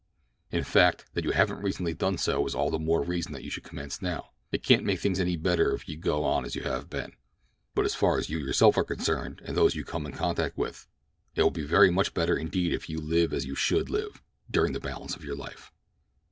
"In fact, that you haven't recently done so is all the more reason that you should commence now. It can't make things any better if you go on as you have been, but as far as you yourself are concerned and those you come in contact with it will be very much better indeed if you live as you should live during the balance of your life."